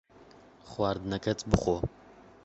خواردنەکەت بخۆ.